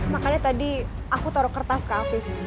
makanya tadi aku taruh kertas ke afif